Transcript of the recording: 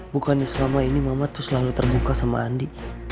bukannya selama ini mama tuh selalu terbuka sama andi